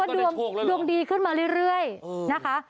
แล้วก็ดวมดีขึ้นมาเรื่อยนะคะ